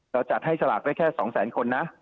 เราจัดให้ฉลากได้แค่๒๐๐๐๐๐คนนะ